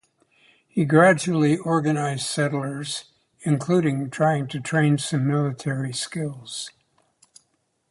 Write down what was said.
He gradually organized settlers, including trying to train some military skills.